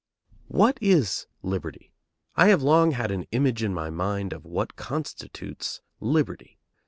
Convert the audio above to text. What is liberty? I have long had an image in my mind of what constitutes liberty.